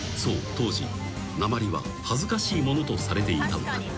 当時なまりは恥ずかしいものとされていたのだ］